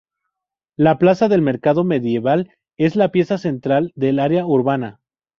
La plaza del mercado medieval es la pieza central del área urbana.